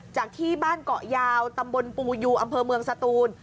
จากที่บ้านเกาะยาวตำบลปูยูอำเภอเมืองสตูน